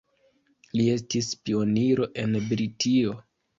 Li estis pioniro en Britio.